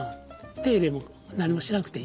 手入れも何もしなくていい。